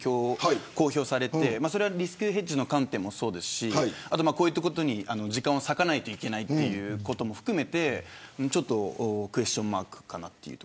リスクヘッジの観点もそうですしこういったことに時間を割かないといけないということも含めてクエスチョンマークかな。